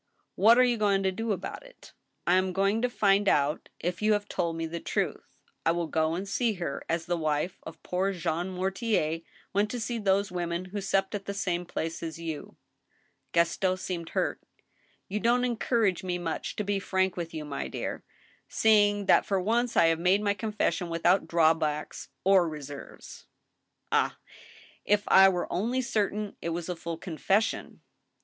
" What are you going to do about it ?"" I am going to find out if you have told me the truth. I will go and see her, as the wife of poor Jean Mortier went to see those women who supped at the same place as you." Gaston seemed hurt " You don't encourage me much to be frank with you, my dear, seeing that for once I have made my confession without drawbacks or reserves." "Ah I if I were only certain it was a full confession